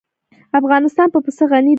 افغانستان په پسه غني دی.